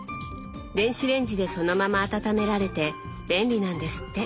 電子レンジでそのまま温められて便利なんですって。